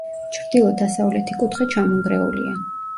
ჩრდილო-დასავლეთი კუთხე ჩამონგრეულია.